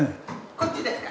こっちですか。